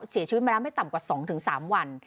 เสียชีวิตมาแล้วไม่ต่ำกว่า๒๓วัน